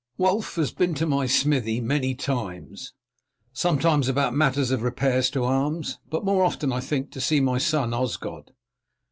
Wulf has been to my smithy many times, sometimes about matters of repairs to arms, but more often, I think, to see my son Osgod.